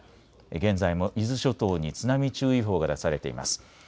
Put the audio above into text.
現在も伊豆諸島に津波注意報が出されています。